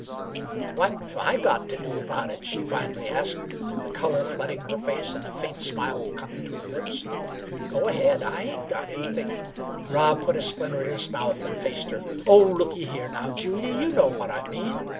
"What've I got t' do 'bout it?" she finally asked, the color flooding her face, and a faint smile coming to her lips. "Go ahead. I ain't got anything " Rob put a splinter in his mouth and faced her. "Oh, looky here, now, Julyie! you know what I mean.